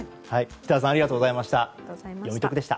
北田さんありがとうございました。